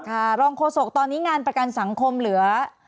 รองโฆษกตอนนี้งานประกันสังคมเหลือ